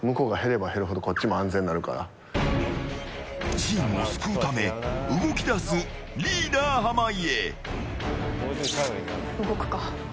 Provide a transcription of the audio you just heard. チームを救うため動き出すリーダー濱家。